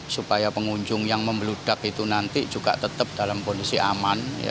supaya pengunjung yang membeludak itu nanti juga tetap dalam kondisi aman